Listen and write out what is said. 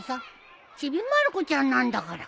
『ちびまる子ちゃん』なんだから。